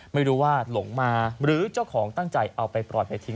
เพราะหมามันหลงมาด้วยดิ